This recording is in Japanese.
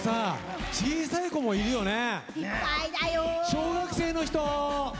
小学生の人！